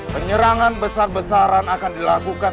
penyerangan besar besaran akan dilakukan